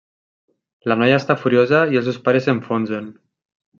La noia està furiosa i els seus pares s'enfonsen.